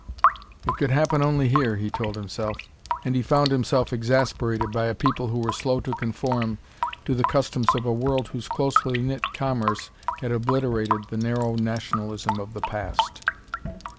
"It could happen only here," he told himself. And he found himself exasperated by a people who were slow to conform to the customs of a world whose closely knit commerce had obliterated the narrow nationalism of the past.